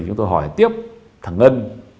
chúng tôi hỏi tiếp thằng ngân